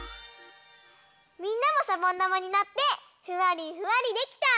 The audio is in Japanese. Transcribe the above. みんなもしゃぼんだまになってふわりふわりできた？